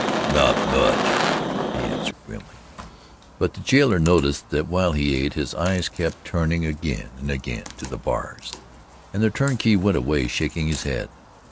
"Not much," he answered grimly, but the jailer noticed that while he ate, his eyes kept turning again and again to the bars; and the turnkey went away shaking his head.